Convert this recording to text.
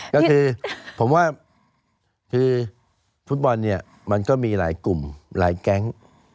ก็คือผมว่าคือฟุตบอลเนี่ยมันก็มีหลายกลุ่มหลายแก๊ง